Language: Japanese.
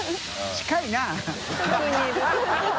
近いな！